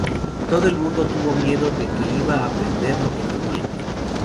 Todo el mundo tuvo miedo de que iba a perder lo que tenía.